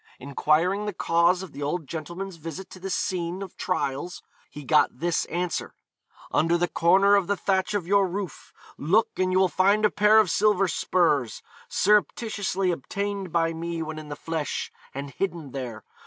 Enquiring the cause of the old gentleman's visit to this scene of trials, he got this answer: 'Under the corner of the thatch of your roof, look and you will find a pair of silver spurs, surreptitiously obtained by me when in the flesh, and hidden there.